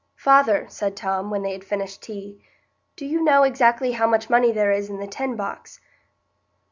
"Father," said Tom, when they had finished tea, "do you know exactly how much money there is in the tin box?"